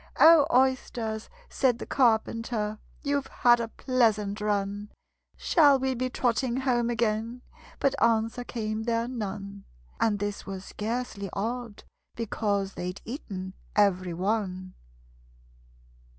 "O, Oysters," said the Carpenter, "You've had a pleasant run! Shall we be trotting home again?" But answer came there none And this was scarcely odd, because They'd eaten every one.